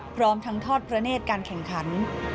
พร้อมทั้งทอดพระเนธการแข่งขัน